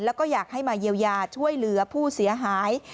แล้วก็อยากให้มาเยียวยาช่วยเหลือผู้เสียหาย